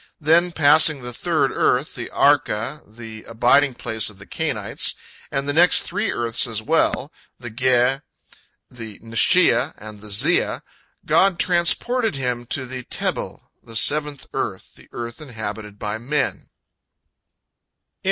Then, passing the third earth, the Arka, the abiding place of the Cainites, and the next three earths as well, the Ge, the Neshiah, and the Ziah, God transported him to the Tebel, the seventh earth, the earth inhabited by men.